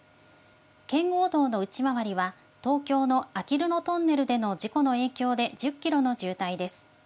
圏央道の内回りは、東京のあきる野トンネルでの事故の影響で１０キロの渋滞です。